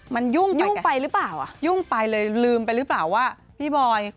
มันยุ่งไปกันยุ่งไปเลยลืมไปหรือเปล่าว่าพี่บอย